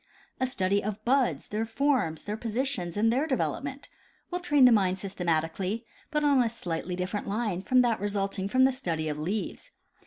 A study of buds, their forms, their positions and their development, will train the mind systematically, but on a slightly different line from that resulting from the study of leaves.